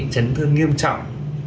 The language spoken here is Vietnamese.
trấn thương nghiêm trọng